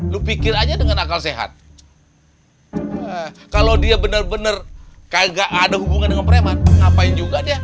lu pikir aja dengan akal sehat kalau dia benar benar kagak ada hubungan dengan preman ngapain juga dia